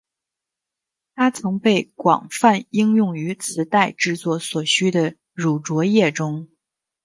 它曾被广泛应用于磁带制作所需的乳浊液中。